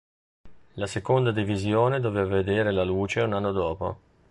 La seconda divisione doveva vedere la luce un anno dopo.